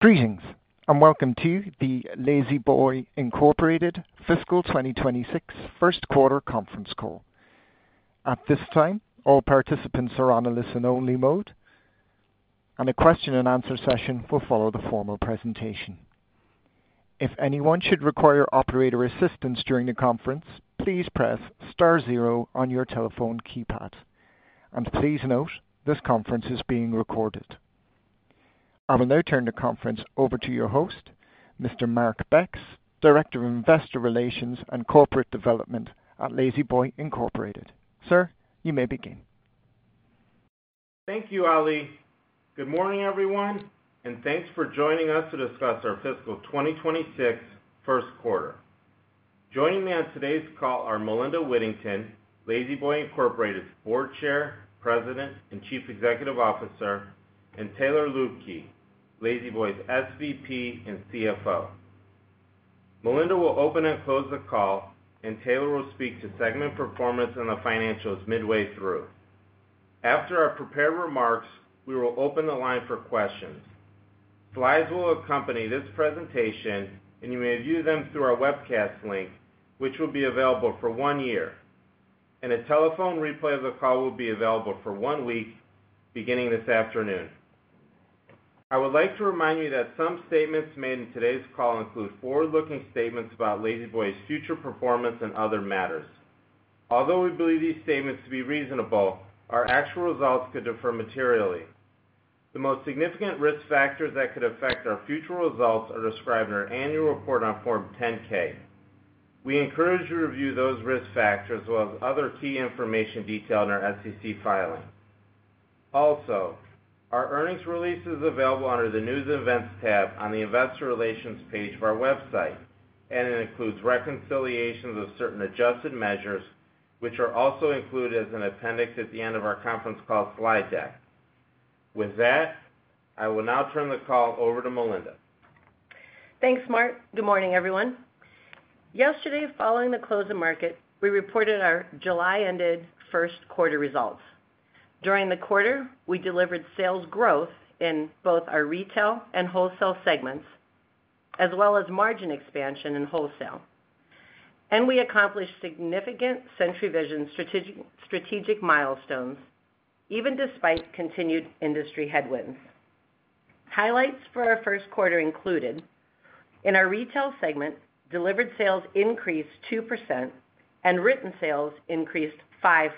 Greetings and welcome to the La-Z-Boy Incorporated Fiscal 2026 First Quarter Conference Call. At this time, all participants are on a listen-only mode, and a question-and-answer session will follow the formal presentation. If anyone should require operator assistance during the conference, please press zero on your telephone keypad. Please note this conference is being recorded. I will now turn the conference over to your host, Mr. Mark Becks, Director of Investor Relations and Corporate Development at La-Z-Boy Incorporated. Sir, you may begin. Thank you, Ali. Good morning, everyone, and thanks for joining us to discuss our Fiscal 2026 First Quarter. Joining me on today's call are Melinda Whittington, La-Z-Boy Incorporated's Board Chair, President and Chief Executive Officer, and Taylor Luebke, La-Z-Boy's SVP and CFO. Melinda will open and close the call, and Taylor will speak to segment performance and the financials midway through. After our prepared remarks, we will open the line for questions. Slides will accompany this presentation, and you may view them through our webcast link, which will be available for one year. A telephone replay of the call will be available for one week, beginning this afternoon. I would like to remind you that some statements made in today's call include forward-looking statements about La-Z-Boy's future performance and other matters. Although we believe these statements to be reasonable, our actual results could differ materially. The most significant risk factors that could affect our future results are described in our annual report on Form 10-K. We encourage you to review those risk factors as well as other key information detailed in our SEC filing. Also, our earnings release is available under the News and Events tab on the Investor Relations page of our website, and it includes reconciliations of certain adjusted measures, which are also included as an appendix at the end of our conference call slide deck. With that, I will now turn the call over to Melinda. Thanks, Mark. Good morning, everyone. Yesterday, following the close of market, we reported our July-ended first quarter results. During the quarter, we delivered sales growth in both our retail and wholesale segments, as well as margin expansion in wholesale. We accomplished significant Century Vision strategic milestones, even despite continued industry headwinds. Highlights for our first quarter included: in our Retail segment, delivered sales increased 2%, and written sales increased 5%.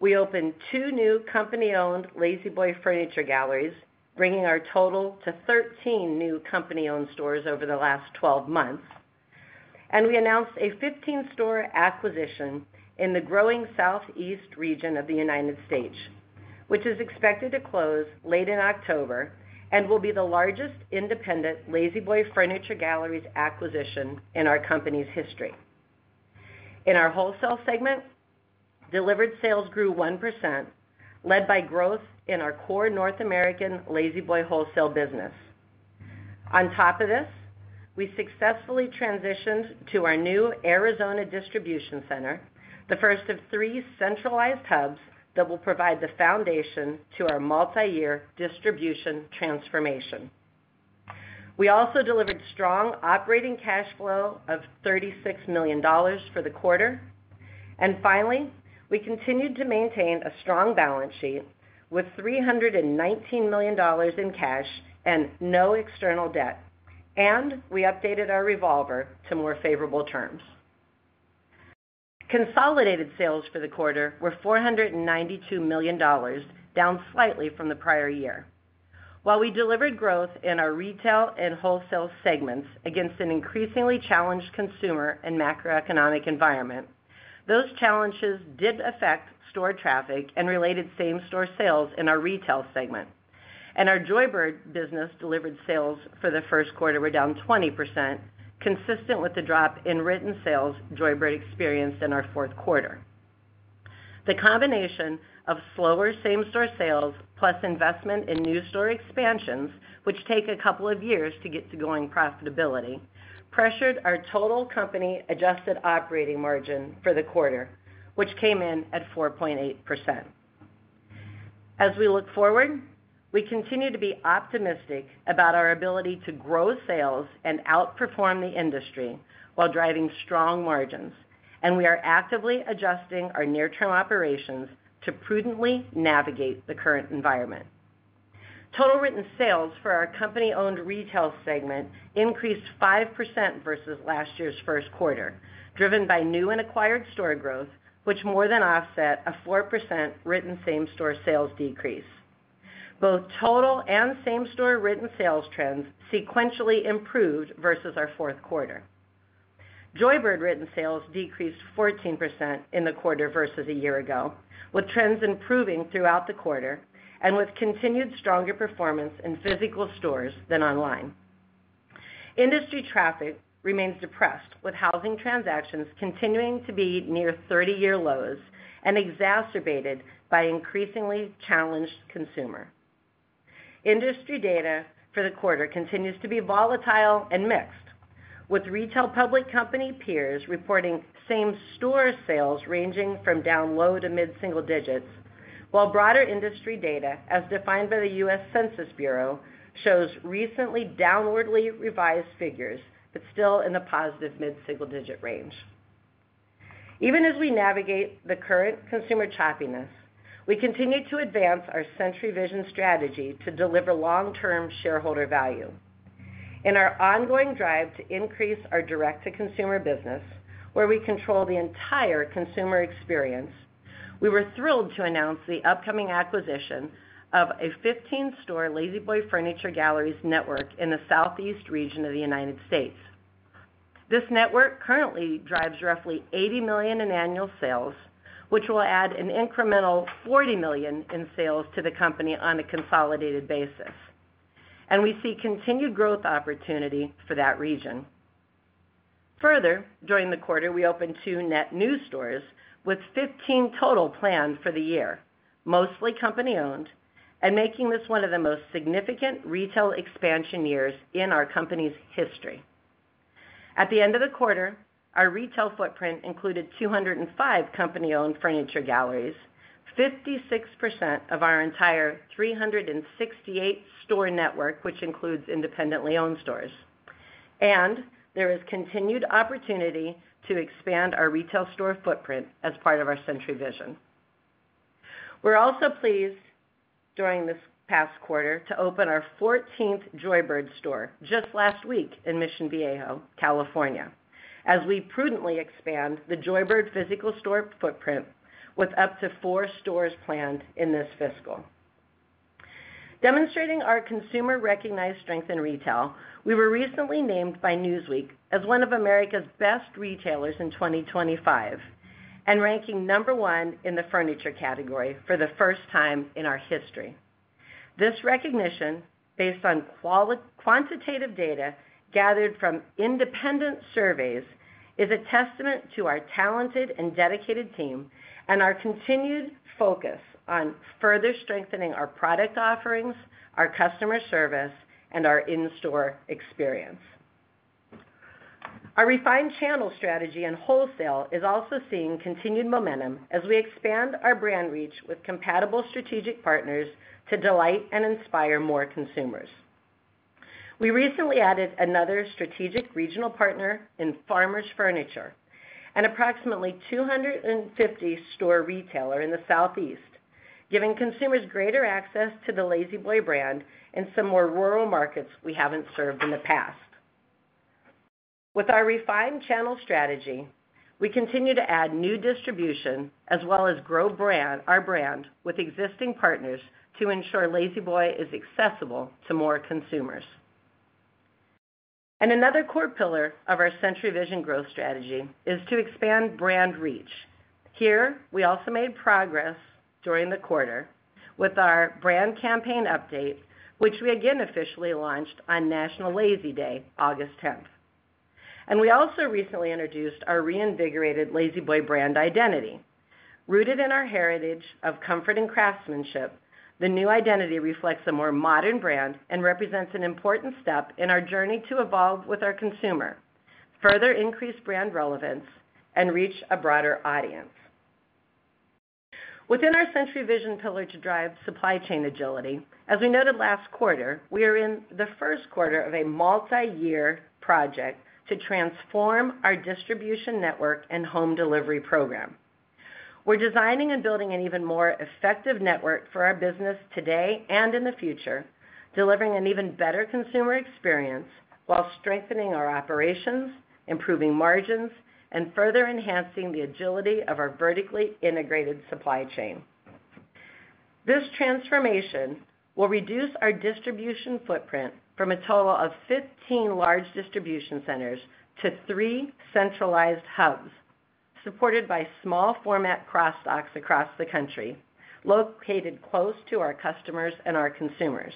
We opened two new company-owned La-Z-Boy Furniture Galleries, bringing our total to 13 new company-owned stores over the last 12 months. We announced a 15-store acquisition in the growing Southeast U.S. region, which is expected to close late in October and will be the largest independent La-Z-Boy Furniture Galleries acquisition in our company's history. In our wholesale segment, delivered sales grew 1%, led by growth in our core North American La-Z-Boy wholesale business. On top of this, we successfully transitioned to our new Arizona distribution center, the first of three centralized hubs that will provide the foundation to our multi-year distribution transformation. We also delivered strong operating cash flow of $36 million for the quarter. Finally, we continued to maintain a strong balance sheet with $319 million in cash and no external debt. We updated our revolver to more favorable terms. Consolidated sales for the quarter were $492 million, down slightly from the prior year. While we delivered growth in our retail and wholesale segments against an increasingly challenged consumer and macroeconomic environment, those challenges did affect store traffic and related same-store sales in our retail segment. Our Joybird business delivered sales for the first quarter were down 20%, consistent with the drop in written sales Joybird experienced in our fourth quarter. The combination of slower same-store sales plus investment in new store expansions, which take a couple of years to get to going profitability, pressured our total company adjusted operating margin for the quarter, which came in at 4.8%. As we look forward, we continue to be optimistic about our ability to grow sales and outperform the industry while driving strong margins. We are actively adjusting our near-term operations to prudently navigate the current environment. Total written sales for our company-owned retail segment increased 5% versus last year's first quarter, driven by new and acquired store growth, which more than offset a 4% written same-store sales decrease. Both total and same-store written sales trends sequentially improved versus our fourth quarter. Joybird written sales decreased 14% in the quarter versus a year ago, with trends improving throughout the quarter and with continued stronger performance in physical stores than online. Industry traffic remains depressed, with housing transactions continuing to be near 30-year lows and exacerbated by increasingly challenged consumer. Industry data for the quarter continues to be volatile and mixed, with retail public company peers reporting same-store sales ranging from down low to mid-single digits, while broader industry data, as defined by the U.S. Census Bureau, shows recently downwardly revised figures but still in the positive mid-single-digit range. Even as we navigate the current consumer choppiness, we continue to advance our Century Vision strategy to deliver long-term shareholder value. In our ongoing drive to increase our direct-to-consumer business, where we control the entire consumer experience, we were thrilled to announce the upcoming acquisition of a 15-store La-Z-Boy Furniture Galleries network in the Southeast U.S. This network currently drives roughly $80 million in annual sales, which will add an incremental $40 million in sales to the company on a consolidated basis. We see continued growth opportunity for that region. Further, during the quarter, we opened two net new stores with 15 total planned for the year, mostly company-owned, making this one of the most significant retail expansion years in our company's history. At the end of the quarter, our retail footprint included 205 company-owned Furniture Galleries, 56% of our entire 368-store network, which includes independently owned stores. There is continued opportunity to expand our retail store footprint as part of our Century Vision. We're also pleased during this past quarter to open our 14th Joybird store just last week in Mission Viejo, California, as we prudently expand the Joybird physical store footprint with up to four stores planned in this fiscal. Demonstrating our consumer-recognized strength in retail, we were recently named by Newsweek as one of America's best retailers in 2025 and ranking number one in the furniture category for the first time in our history. This recognition, based on quantitative data gathered from independent surveys, is a testament to our talented and dedicated team and our continued focus on further strengthening our product offerings, our customer service, and our in-store experience. Our refined channel strategy in wholesale is also seeing continued momentum as we expand our brand reach with compatible strategic partners to delight and inspire more consumers. We recently added another strategic regional partner in Farmers Furniture and approximately 250 store retailers in the Southeast U.S., giving consumers greater access to the La-Z-Boy brand in some more rural markets we haven't served in the past. With our refined channel strategy, we continue to add new distribution as well as grow our brand with existing partners to ensure La-Z-Boy is accessible to more consumers. Another core pillar of our Century Vision growth strategy is to expand brand reach. Here, we also made progress during the quarter with our brand campaign update, which we again officially launched on National La-Z-Day, August 10th. We also recently introduced our reinvigorated La-Z-Boy brand identity. Rooted in our heritage of comfort and craftsmanship, the new identity reflects a more modern brand and represents an important step in our journey to evolve with our consumer, further increase brand relevance, and reach a broader audience. Within our Century Vision pillar to drive supply chain agility, as we noted last quarter, we are in the first quarter of a multi-year project to transform our distribution network and home delivery program. We're designing and building an even more effective network for our business today and in the future, delivering an even better consumer experience while strengthening our operations, improving margins, and further enhancing the agility of our vertically integrated supply chain. This transformation will reduce our distribution footprint from a total of 15 large distribution centers to three centralized hubs supported by small-format cross docks across the country, located close to our customers and our consumers.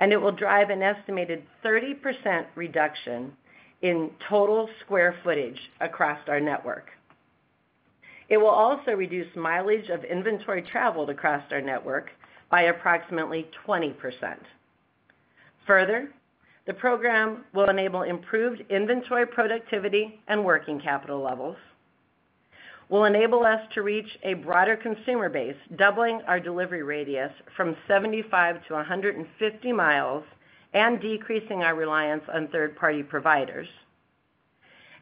It will drive an estimated 30% reduction in total square footage across our network. It will also reduce mileage of inventory traveled across our network by approximately 20%. Further, the program will enable improved inventory productivity and working capital levels. It will enable us to reach a broader consumer base, doubling our delivery radius from 75-150 miles and decreasing our reliance on third-party providers.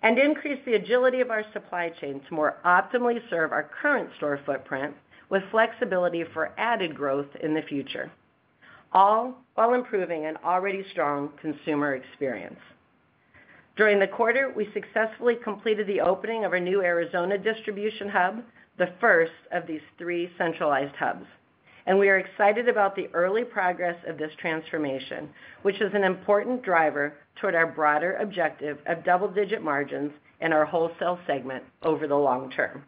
It will increase the agility of our supply chain to more optimally serve our current store footprint with flexibility for added growth in the future, all while improving an already strong consumer experience. During the quarter, we successfully completed the opening of a new Arizona distribution hub, the first of these three centralized hubs. We are excited about the early progress of this transformation, which is an important driver toward our broader objective of double-digit margins in our wholesale segment over the long term.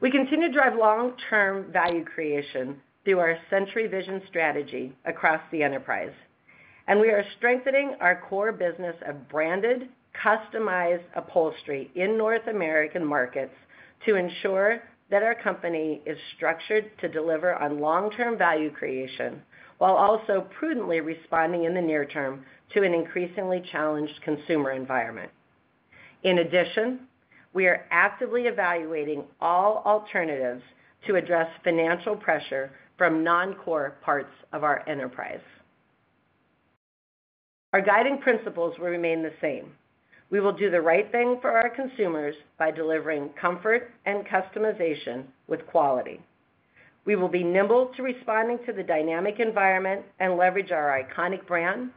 We continue to drive long-term value creation through our Century Vision strategy across the enterprise. We are strengthening our core business of branded, customized upholstery in North American markets to ensure that our company is structured to deliver on long-term value creation while also prudently responding in the near term to an increasingly challenged consumer environment. In addition, we are actively evaluating all alternatives to address financial pressure from non-core parts of our enterprise. Our guiding principles will remain the same. We will do the right thing for our consumers by delivering comfort and customization with quality. We will be nimble to responding to the dynamic environment and leverage our iconic brand,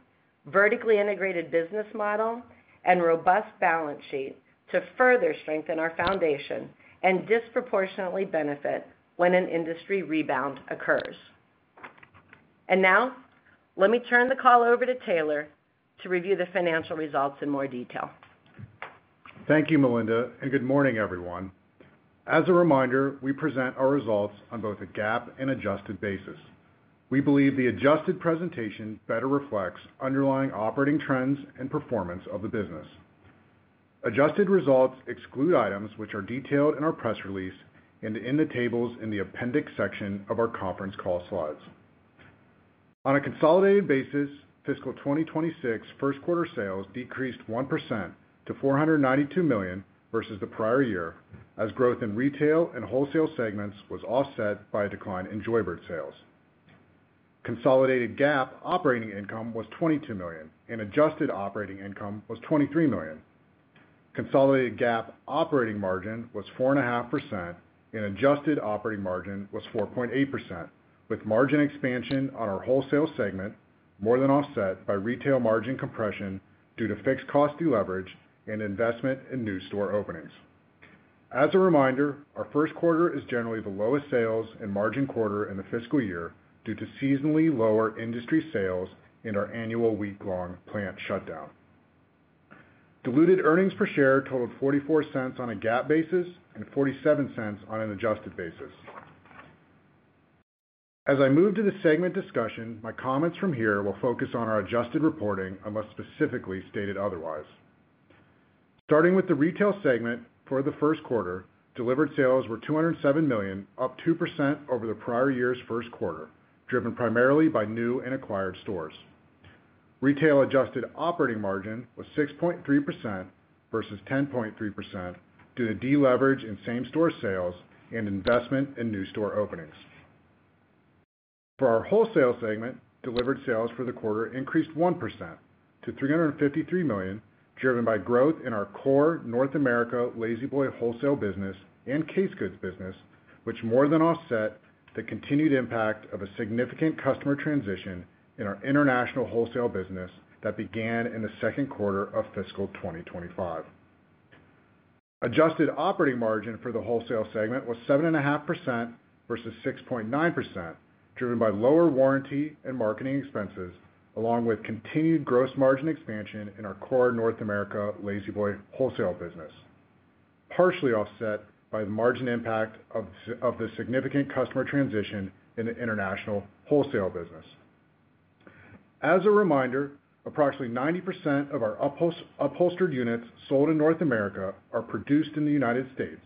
vertically integrated business model, and robust balance sheet to further strengthen our foundation and disproportionately benefit when an industry rebound occurs. Now, let me turn the call over to Taylor to review the financial results in more detail. Thank you, Melinda, and good morning, everyone. As a reminder, we present our results on both a GAAP and adjusted basis. We believe the adjusted presentation better reflects underlying operating trends and performance of the business. Adjusted results exclude items which are detailed in our press release and in the tables in the appendix section of our conference call slides. On a consolidated basis, Fiscal 2026 First Quarter sales decreased 1% to $492 million versus the prior year, as growth in retail and wholesale segments was offset by a decline in Joybird sales. Consolidated GAAP operating income was $22 million, and adjusted operating income was $23 million. Consolidated GAAP operating margin was 4.5%, and adjusted operating margin was 4.8%, with margin expansion on our wholesale segment more than offset by retail margin compression due to fixed costs to leverage and investment in new store openings. As a reminder, our first quarter is generally the lowest sales and margin quarter in the fiscal year due to seasonally lower industry sales and our annual week-long plant shutdown. Diluted earnings per share totaled $0.44 on a GAAP basis and $0.47 on an adjusted basis. As I move to the segment discussion, my comments from here will focus on our adjusted reporting unless specifically stated otherwise. Starting with the retail segment for the first quarter, delivered sales were $207 million, up 2% over the prior year's first quarter, driven primarily by new and acquired stores. Retail adjusted operating margin was 6.3% versus 10.3% due to deleverage in same-store sales and investment in new store openings. For our wholesale segment, delivered sales for the quarter increased 1% to $353 million, driven by growth in our core North America La-Z-Boy wholesale business and case goods business, which more than offset the continued impact of a significant customer transition in our international wholesale business that began in the second quarter of Fiscal 2025. Adjusted operating margin for the wholesale segment was 7.5% versus 6.9%, driven by lower warranty and marketing expenses, along with continued gross margin expansion in our core North America La-Z-Boy wholesale business, partially offset by the margin impact of the significant customer transition in the international wholesale business. As a reminder, approximately 90% of our upholstered units sold in North America are produced in the United States,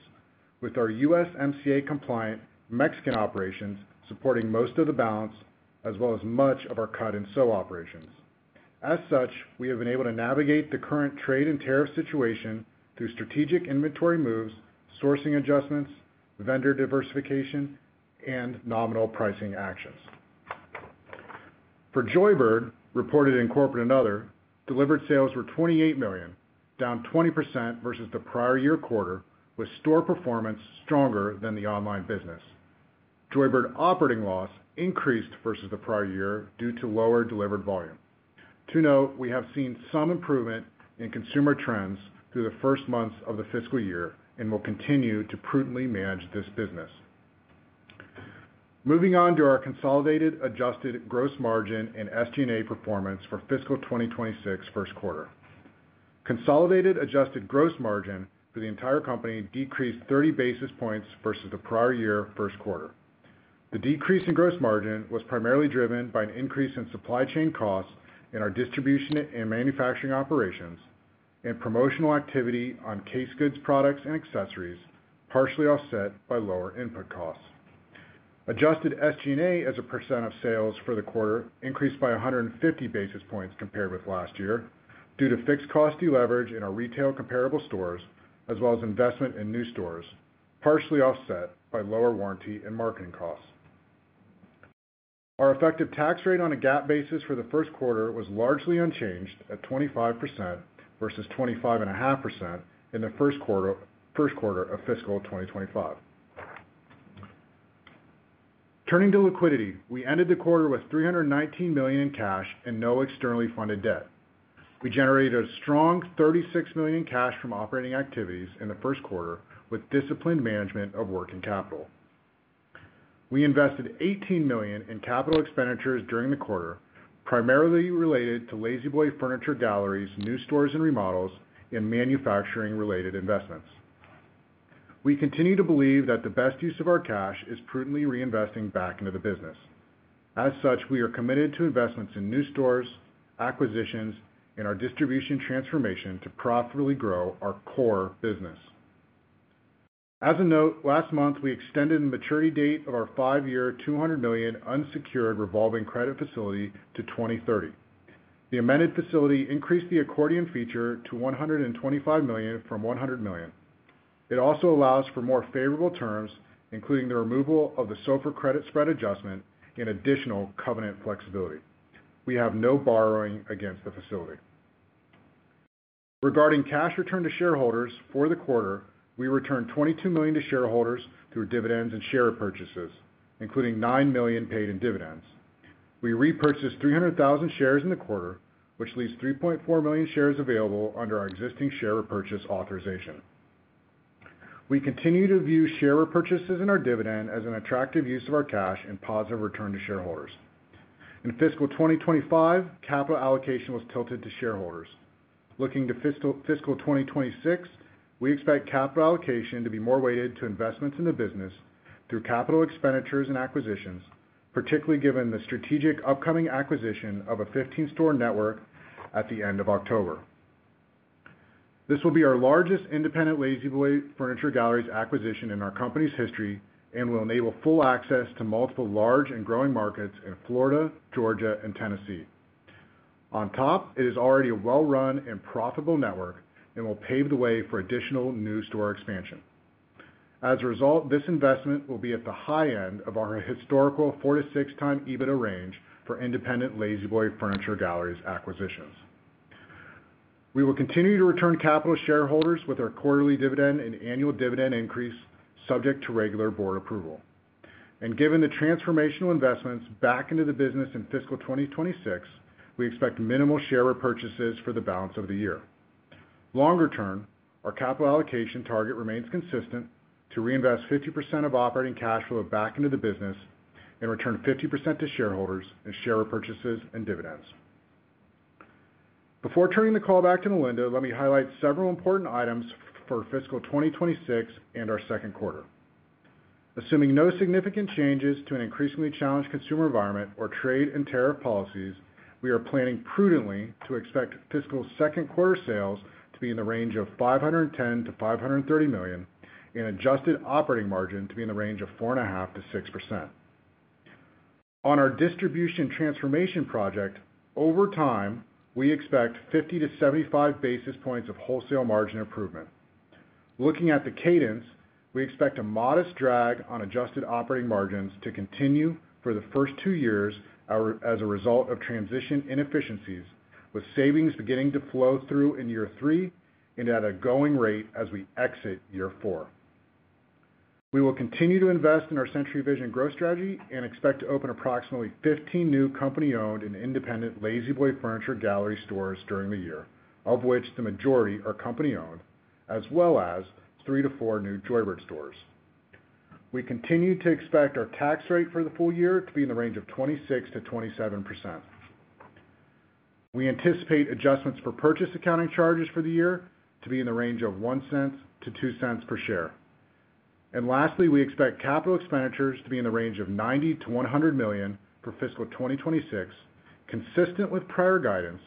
with our USMCA-compliant Mexican operations supporting most of the balance, as well as much of our cut and sew operations. As such, we have been able to navigate the current trade and tariff situation through strategic inventory moves, sourcing adjustments, vendor diversification, and nominal pricing actions. For Joybird, reported in Corporate and Other, delivered sales were $28 million, down 20% versus the prior year quarter, with store performance stronger than the online business. Joybird operating loss increased versus the prior year due to lower delivered volume. To note, we have seen some improvement in consumer trends through the first months of the fiscal year and will continue to prudently manage this business. Moving on to our consolidated adjusted gross margin and SG&A performance for Fiscal 2026 first quarter. Consolidated adjusted gross margin for the entire company decreased 30 basis points versus the prior year first quarter. The decrease in gross margin was primarily driven by an increase in supply chain costs in our distribution and manufacturing operations and promotional activity on case goods, products, and accessories, partially offset by lower input costs. Adjusted SG&A as a percent of sales for the quarter increased by 150 basis points compared with last year due to fixed costs to leverage in our retail comparable stores as well as investment in new stores, partially offset by lower warranty and marketing costs. Our effective tax rate on a GAAP basis for the first quarter was largely unchanged at 25% versus 25.5% in the first quarter of Fiscal 2025. Turning to liquidity, we ended the quarter with $319 million in cash and no externally funded debt. We generated a strong $36 million in cash from operating activities in the first quarter with disciplined management of working capital. We invested $18 million in capital expenditures during the quarter, primarily related to La-Z-Boy Furniture Galleries, new stores and remodels, and manufacturing-related investments. We continue to believe that the best use of our cash is prudently reinvesting back into the business. As such, we are committed to investments in new stores, acquisitions, and our distribution transformation to profitably grow our core business. As a note, last month we extended the maturity date of our five-year $200 million unsecured revolving credit facility to 2030. The amended facility increased the accordion feature to $125 million from $100 million. It also allows for more favorable terms, including the removal of the SOFR credit spread adjustment and additional covenant flexibility. We have no borrowing against the facility. Regarding cash return to shareholders for the quarter, we returned $22 million to shareholders through dividends and share repurchases, including $9 million paid in dividends. We repurchased 300,000 shares in the quarter, which leaves 3.4 million shares available under our existing share repurchase authorization. We continue to view share repurchases and our dividend as an attractive use of our cash and positive return to shareholders. In Fiscal 2025, capital allocation was tilted to shareholders. Looking to Fiscal 2026, we expect capital allocation to be more weighted to investments in the business through capital expenditures and acquisitions, particularly given the strategic upcoming acquisition of a 15-store network at the end of October. This will be our largest independent La-Z-Boy Furniture Galleries acquisition in our company's history and will enable full access to multiple large and growing markets in Florida, Georgia, and Tennessee. On top, it is already a well-run and profitable network and will pave the way for additional new store expansion. As a result, this investment will be at the high end of our historical four to six-time EBITDA range for independent La-Z-Boy Furniture Galleries acquisitions. We will continue to return capital to shareholders with our quarterly dividend and annual dividend increase subject to regular board approval. Given the transformational investments back into the business in Fiscal 2026, we expect minimal share repurchases for the balance of the year. Longer term, our capital allocation target remains consistent to reinvest 50% of operating cash flow back into the business and return 50% to shareholders in share repurchases and dividends. Before turning the call back to Melinda, let me highlight several important items for Fiscal 2026 and our second quarter. Assuming no significant changes to an increasingly challenged consumer environment or trade and tariff policies, we are planning prudently to expect fiscal second quarter sales to be in the range of $510 million-$530 million and adjusted operating margin to be in the range of 4.5%- 6%. On our distribution transformation project, over time, we expect 50-75 basis points of wholesale margin improvement. Looking at the cadence, we expect a modest drag on adjusted operating margins to continue for the first two years as a result of transition inefficiencies, with savings beginning to flow through in year three and at a going rate as we exit year four. We will continue to invest in our Century Vision growth strategy and expect to open approximately 15 new company-owned and independent La-Z-Boy Furniture Galleries stores during the year, of which the majority are company-owned, as well as three to four new Joybird stores. We continue to expect our tax rate for the full year to be in the range of 26%-27%. We anticipate adjustments for purchase accounting charges for the year to be in the range of $0.01-$0.02 per share. Lastly, we expect capital expenditures to be in the range of $90 million- $100 million for fiscal 2026, consistent with prior guidance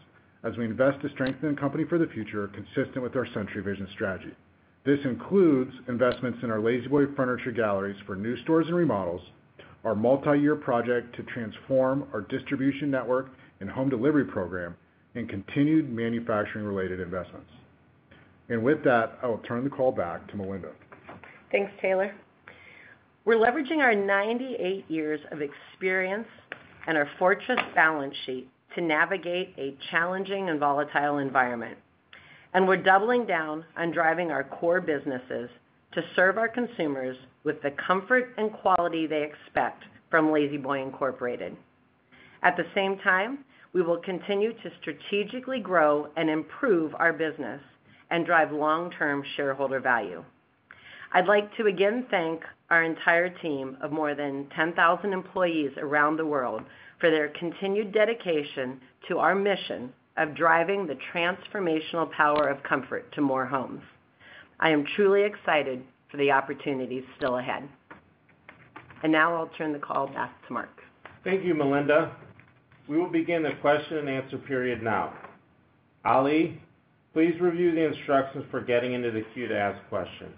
as we invest to strengthen the company for the future, consistent with our Century Vision strategy. This includes investments in our La-Z-Boy Furniture Galleries for new stores and remodels, our multi-year project to transform our distribution network and home delivery program, and continued manufacturing-related investments. With that, I will turn the call back to Melinda. Thanks, Taylor. We're leveraging our 98 years of experience and our fortress balance sheet to navigate a challenging and volatile environment. We're doubling down on driving our core businesses to serve our consumers with the comfort and quality they expect from La-Z-Boy Incorporated. At the same time, we will continue to strategically grow and improve our business and drive long-term shareholder value. I'd like to again thank our entire team of more than 10,000 employees around the world for their continued dedication to our mission of driving the transformational power of comfort to more homes. I am truly excited for the opportunities still ahead. Now I'll turn the call back to Mark. Thank you, Melinda. We will begin the question-and-answer period now. Ali, please review the instructions for getting into the queue to ask questions.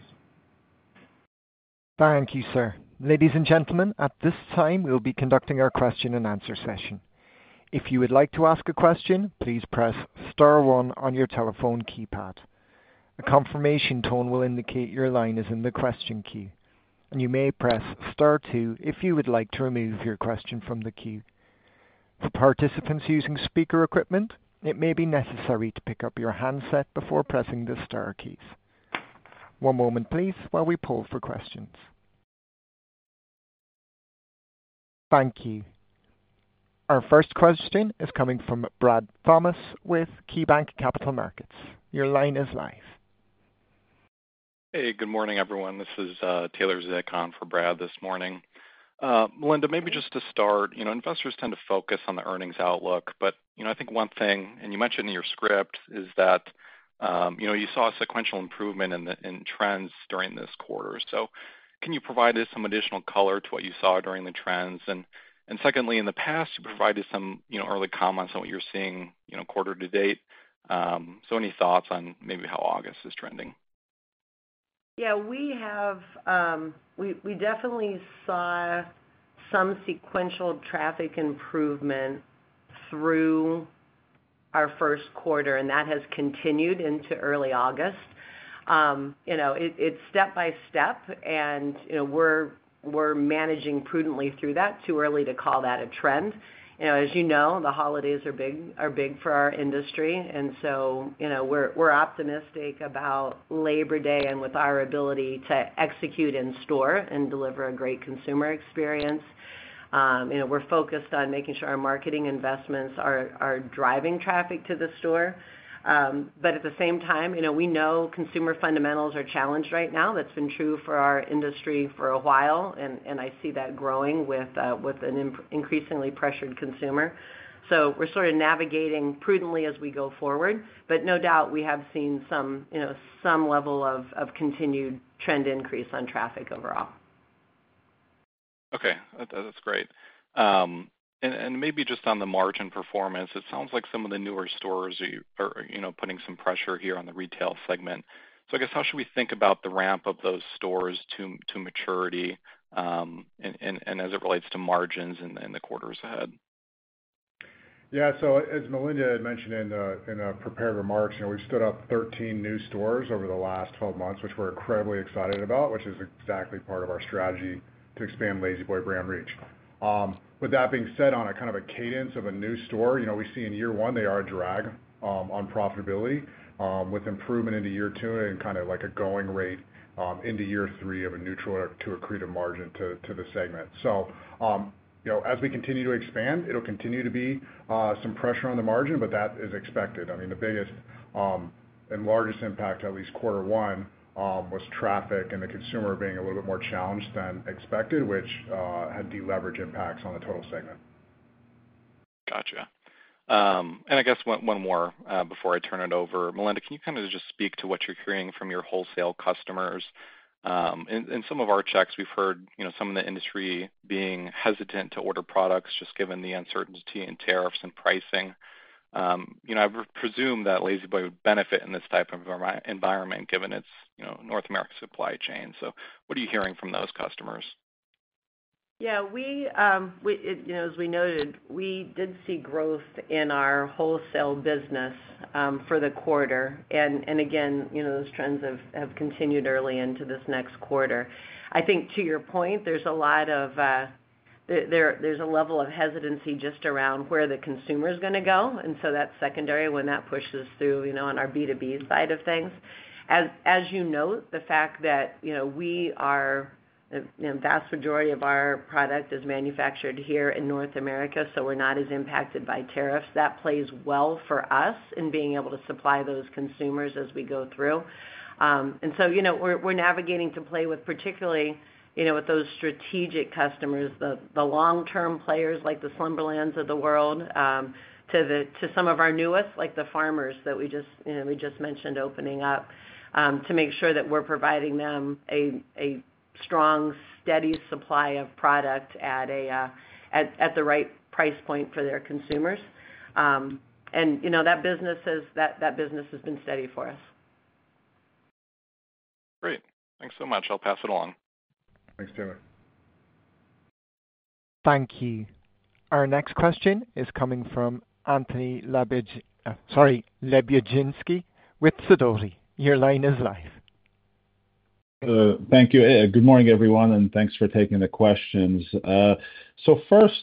Thank you, sir. Ladies and gentlemen, at this time, we'll be conducting our question-and-answer session. If you would like to ask a question, please press star one on your telephone keypad. A confirmation tone will indicate your line is in the question queue, and you may press star two if you would like to remove your question from the queue. For participants using speaker equipment, it may be necessary to pick up your handset before pressing the star keys. One moment, please, while we poll for questions. Thank you. Our first question is coming from Brad Thomas with KeyBanc Capital Markets. Your line is live. Hey, good morning, everyone. This is Taylor Zinc for Brad this morning. Melinda, maybe just to start, you know, investors tend to focus on the earnings outlook, but you know, I think one thing, and you mentioned in your script, is that you know, you saw a sequential improvement in trends during this quarter. Can you provide us some additional color to what you saw during the trends? Secondly, in the past, you provided some early comments on what you're seeing quarter to date. Any thoughts on maybe how August is trending? Yeah, we definitely saw some sequential traffic improvement through our first quarter, and that has continued into early August. It's step by step, and we're managing prudently through that. Too early to call that a trend. As you know, the holidays are big for our industry, and we're optimistic about Labor Day and with our ability to execute in store and deliver a great consumer experience. We're focused on making sure our marketing investments are driving traffic to the store. At the same time, we know consumer fundamentals are challenged right now. That's been true for our industry for a while, and I see that growing with an increasingly pressured consumer. We're sort of navigating prudently as we go forward, but no doubt we have seen some level of continued trend increase on traffic overall. Okay, that's great. Maybe just on the margin performance, it sounds like some of the newer stores are putting some pressure here on the retail segment. I guess how should we think about the ramp up of those stores to maturity as it relates to margins in the quarters ahead? Yeah, as Melinda had mentioned in the prepared remarks, we've stood up 13 new stores over the last 12 months, which we're incredibly excited about, which is exactly part of our strategy to expand La-Z-Boy brand reach. With that being said, on a kind of a cadence of a new store, we see in year one they are a drag on profitability, with improvement into year two and kind of like a going rate into year three of a neutral to accretive margin to the segment. As we continue to expand, it'll continue to be some pressure on the margin, but that is expected. The biggest and largest impact, at least quarter one, was traffic and the consumer being a little bit more challenged than expected, which had deleverage impacts on the total segment. Gotcha. I guess one more before I turn it over. Melinda, can you kind of just speak to what you're hearing from your wholesale customers? In some of our checks, we've heard some of the industry being hesitant to order products just given the uncertainty in tariffs and pricing. I presume that La-Z-Boy would benefit in this type of environment given its North America supply chain. What are you hearing from those customers? Yeah, as we noted, we did see growth in our wholesale business for the quarter. Those trends have continued early into this next quarter. I think to your point, there's a level of hesitancy just around where the consumer is going to go. That's secondary when that pushes through on our B2B side of things. As you note, the fact that the vast majority of our product is manufactured here in North America, we're not as impacted by tariffs. That plays well for us in being able to supply those consumers as we go through. We're navigating to play with particularly with those strategic customers, the long-term players like the Slumberland to the world, to some of our newest, like the farmers that we just mentioned opening up, to make sure that we're providing them a strong, steady supply of product at the right price point for their consumers. That business has been steady for us. Great, thanks so much. I'll pass it along. Thanks, Taylor. Thank you. Our next question is coming from Anthony Lebiedzinski with Sidoti. Your line is live. Thank you. Good morning, everyone, and thanks for taking the questions. First,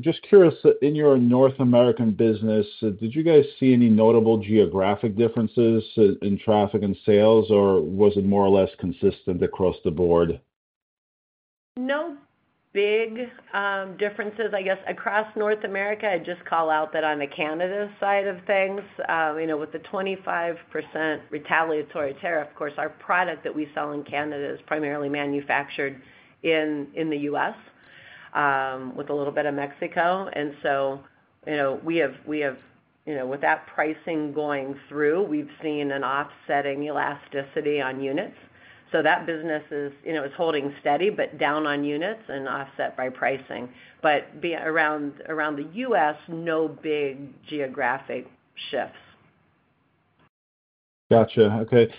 just curious, in your North American business, did you guys see any notable geographic differences in traffic and sales, or was it more or less consistent across the board? No big differences, I guess, across North America. I'd just call out that on the Canada side of things, with the 25% retaliatory tariff, of course, our product that we sell in Canada is primarily manufactured in the U.S., with a little bit of Mexico. With that pricing going through, we've seen an offsetting elasticity on units. That business is holding steady, but down on units and offset by pricing. Around the U.S., no big geographic shifts. Gotcha. Okay.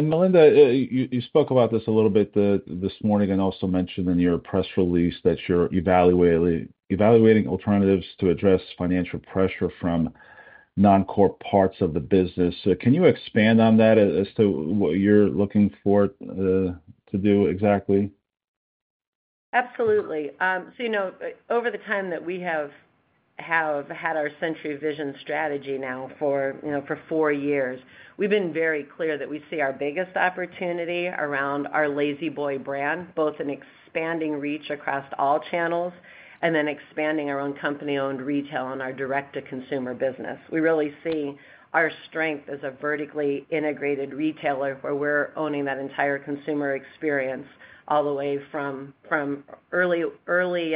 Melinda, you spoke about this a little bit this morning and also mentioned in your press release that you're evaluating alternatives to address financial pressure from non-corp parts of the business. Can you expand on that as to what you're looking for to do exactly? Absolutely. Over the time that we have had our Century Vision strategy now for four years, we've been very clear that we see our biggest opportunity around our La-Z-Boy brand, both in expanding reach across all channels and then expanding our own company-owned retail and our direct-to-consumer business. We really see our strength as a vertically integrated retailer where we're owning that entire consumer experience all the way from early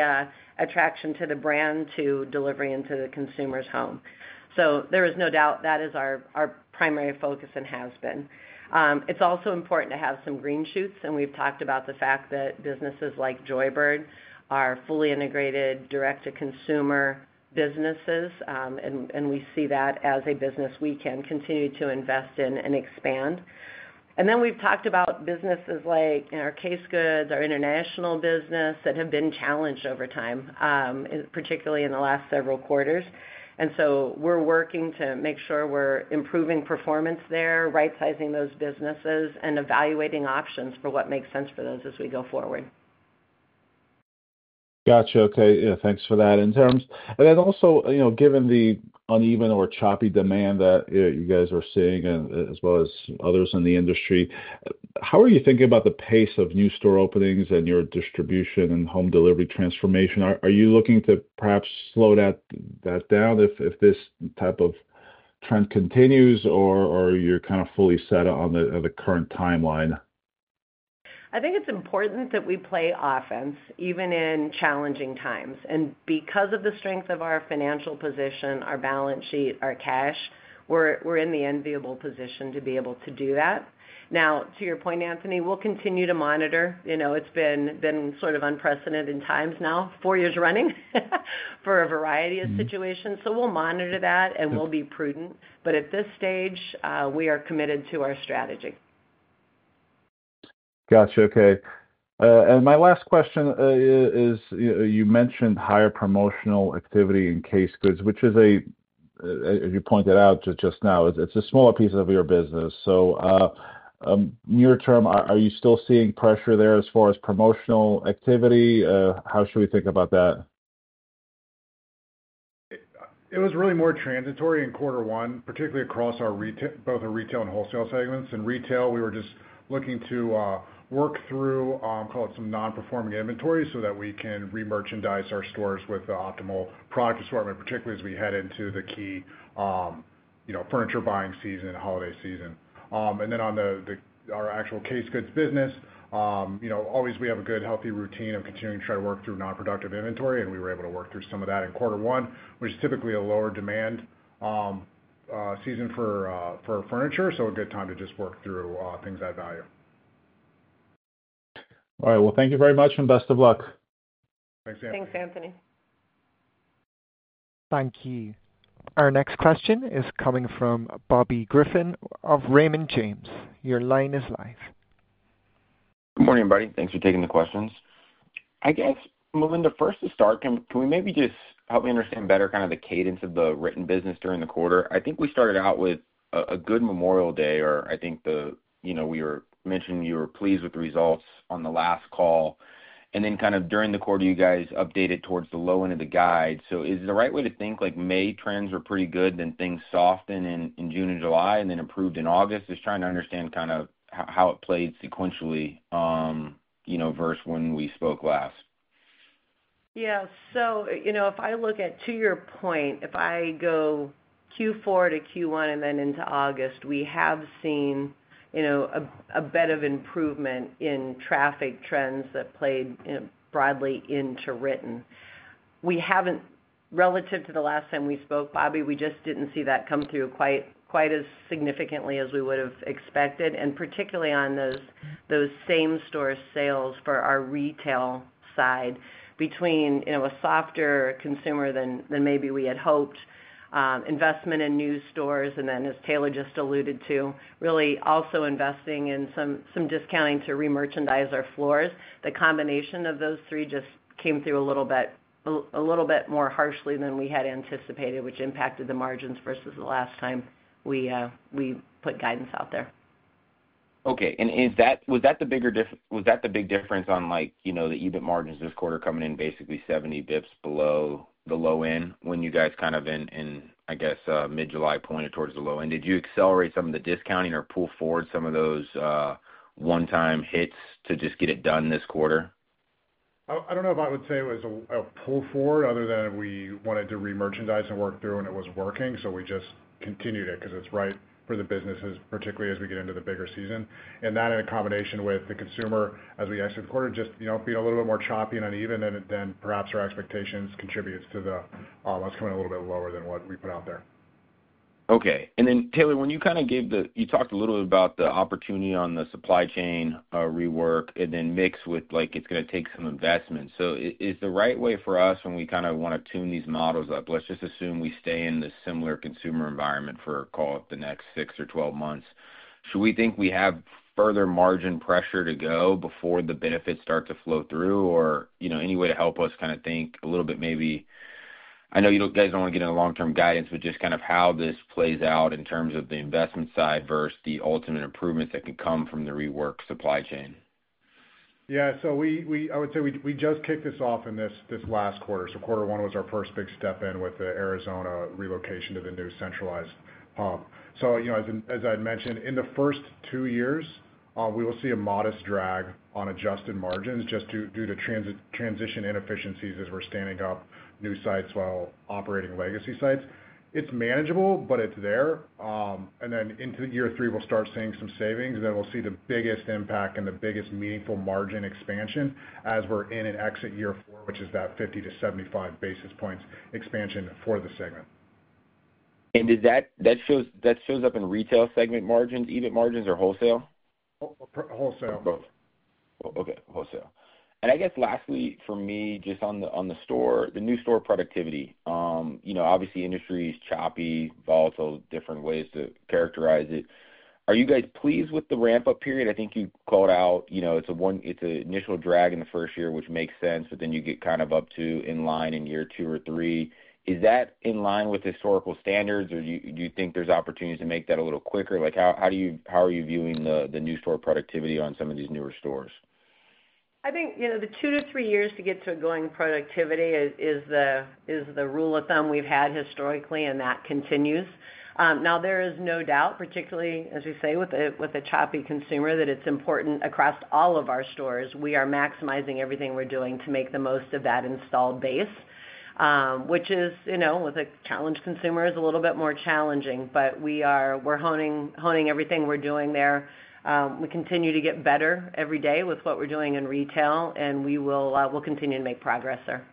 attraction to the brand to delivery into the consumer's home. There is no doubt that is our primary focus and has been. It's also important to have some green shoots, and we've talked about the fact that businesses like Joybird are fully integrated direct-to-consumer businesses, and we see that as a business we can continue to invest in and expand. We've talked about businesses like our case goods, our international business that have been challenged over time, particularly in the last several quarters. We're working to make sure we're improving performance there, right-sizing those businesses, and evaluating options for what makes sense for those as we go forward. Gotcha. Okay. Yeah, thanks for that. In terms, and then also, you know, given the uneven or choppy demand that you guys are seeing as well as others in the industry, how are you thinking about the pace of new store openings and your distribution and home delivery transformation? Are you looking to perhaps slow that down if this type of trend continues, or are you kind of fully set on the current timeline? I think it's important that we play offense even in challenging times. Because of the strength of our financial position, our balance sheet, our cash, we're in the enviable position to be able to do that. To your point, Anthony, we'll continue to monitor. It's been sort of unprecedented in times now, four years running for a variety of situations. We'll monitor that and we'll be prudent. At this stage, we are committed to our strategy. Gotcha. Okay. My last question is, you mentioned higher promotional activity in case goods, which is, as you pointed out just now, it's a smaller piece of your business. Near term, are you still seeing pressure there as far as promotional activity? How should we think about that? It was really more transitory in quarter one, particularly across both the retail and wholesale segments. In retail, we were just looking to work through, call it some non-performing inventory so that we can re-merchandise our stores with the optimal product assortment, particularly as we head into the key furniture buying season and holiday season. On our actual case goods business, we always have a good, healthy routine of continuing to try to work through non-productive inventory, and we were able to work through some of that in quarter one, which is typically a lower demand season for furniture. A good time to just work through things that value. Thank you very much and best of luck. Thanks, Anthony. Thanks, Anthony. Thank you. Our next question is coming from Bobby Griffin of Raymond James. Your line is live. Good morning, everybody. Thanks for taking the questions. I guess, Melinda, first to start, can we maybe just help me understand better kind of the cadence of the written business during the quarter? I think we started out with a good Memorial Day, or I think, you know, we were mentioning you were pleased with the results on the last call. During the quarter, you guys updated towards the low end of the guide. Is the right way to think like May trends are pretty good, then things soften in June and July, and then improved in August? Just trying to understand kind of how it played sequentially, you know, versus when we spoke last. Yeah, so you know, if I look at, to your point, if I go Q4 to Q1 and then into August, we have seen a bit of improvement in traffic trends that played broadly into written. We haven't, relative to the last time we spoke, Bobby, we just didn't see that come through quite as significantly as we would have expected. Particularly on those same-store sales for our retail side between a softer consumer than maybe we had hoped, investment in new stores, and then as Taylor just alluded to, really also investing in some discounting to re-merchandise our floors. The combination of those three just came through a little bit more harshly than we had anticipated, which impacted the margins versus the last time we put guidance out there. Okay, is that, was that the big difference on, like, you know, the EBIT margins this quarter coming in basically 70 bps below the low end when you guys kind of in, I guess, mid-July pointed towards the low end? Did you accelerate some of the discounting or pull forward some of those one-time hits to just get it done this quarter? I don't know if I would say it was a pull forward other than we wanted to re-merchandise and work through, and it was working. We just continued it because it's right for the businesses, particularly as we get into the bigger season. That, in combination with the consumer as we exit the quarter, just being a little bit more choppy and uneven than perhaps our expectations, contributes to us coming a little bit lower than what we put out there. Okay, and then Taylor, when you kind of gave the, you talked a little bit about the opportunity on the supply chain rework and then mix with like it's going to take some investment. Is the right way for us when we kind of want to tune these models up? Let's just assume we stay in this similar consumer environment for, call it, the next six or 12 months. Should we think we have further margin pressure to go before the benefits start to flow through, or any way to help us kind of think a little bit maybe? I know you guys don't want to get into long-term guidance, but just kind of how this plays out in terms of the investment side versus the ultimate improvements that can come from the rework supply chain. Yeah, I would say we just kicked this off in this last quarter. Quarter one was our first big step in with the Arizona relocation to the new centralized hub. As I had mentioned, in the first two years, we will see a modest drag on adjusted margins just due to transition inefficiencies as we're standing up new sites while operating legacy sites. It's manageable, but it's there. Into year three, we'll start seeing some savings, and then we'll see the biggest impact and the biggest meaningful margin expansion as we're in an exit year, which is that 50-75 basis points expansion for the segment. Does that show up in retail segment margins, EBIT margins, or wholesale? Wholesale. Both. Okay, wholesale. Lastly for me, just on the store, the new store productivity, obviously industry is choppy, volatile, different ways to characterize it. Are you guys pleased with the ramp-up period? I think you called out it's a one, it's an initial drag in the first year, which makes sense, but then you get kind of up to in line in year two or three. Is that in line with historical standards, or do you think there's opportunities to make that a little quicker? How are you viewing the new store productivity on some of these newer stores? I think the two to three years to get to a going productivity is the rule of thumb we've had historically, and that continues. There is no doubt, particularly, as we say, with a choppy consumer, that it's important across all of our stores. We are maximizing everything we're doing to make the most of that installed base, which is, with a challenged consumer, a little bit more challenging, but we're honing everything we're doing there. We continue to get better every day with what we're doing in retail, and we will continue to make progress there.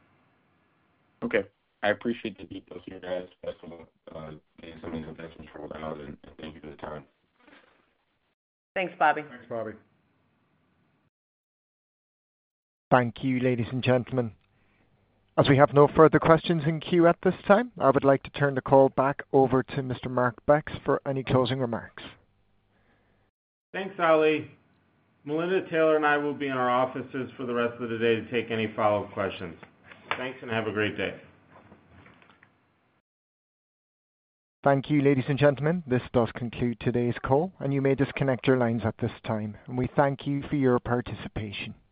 Okay.I appreciate the details here, guys. That's something that's important. I know that I'll do. Thank you for your time. Thanks, Bobby. Thanks, Bobby. Thank you, ladies and gentlemen. As we have no further questions in queue at this time, I would like to turn the call back over to Mr. Mark Becks for any closing remarks. Thanks, Ali. Melinda, Taylor, and I will be in our offices for the rest of the day to take any follow-up questions. Thanks and have a great day. Thank you, ladies and gentlemen. This does conclude today's call. You may disconnect your lines at this time. We thank you for your participation.